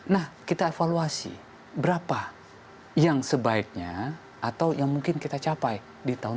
nah kita evaluasi berapa yang sebaiknya atau yang mungkin kita capai di tahun dua ribu dua puluh